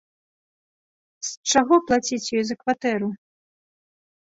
З чаго плаціць ёй за кватэру.